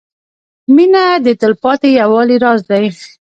• مینه د تلپاتې یووالي راز دی.